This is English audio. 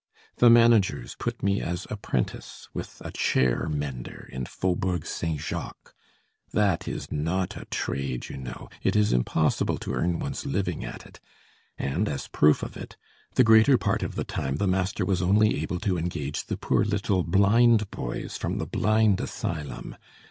The managers put me as apprentice with a chair mender in Faubourg Saint Jacques. That is not a trade, you know, it is impossible to earn one's living at it, and as proof of it, the greater part of the time the master was only able to engage the poor little blind boys from the Blind Asylum.